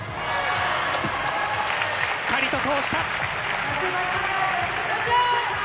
しっかりと通した。